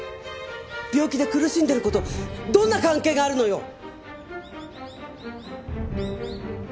病気で苦しんでる子とどんな関係があるのよ！